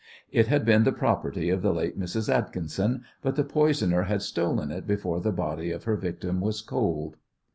It had been the property of the late Mrs. Atkinson, but the poisoner had stolen it before the body of her victim was cold.